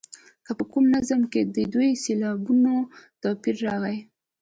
که په کوم نظم کې د دوو سېلابونو توپیر راغلی.